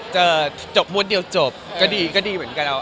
จะจบมุดเดียวจบก็ดีเหมือนกัน